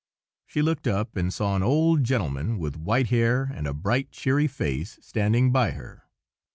She looked up and saw an old gentleman with white hair and a bright, cheery face, standing by her.